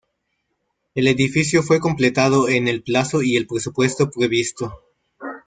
El edificio fue completado en el plazo y el presupuesto previsto.